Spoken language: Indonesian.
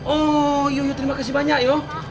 oh iya terima kasih banyak yuk